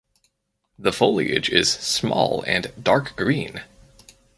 The foliage is small and dark green.